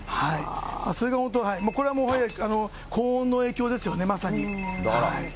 それが本当、これは高温の影響ですよね、まさに。